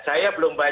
tapi saya sudah tahu